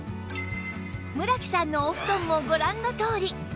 村木さんのお布団もご覧のとおり